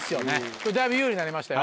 これだいぶ有利になりましたよ。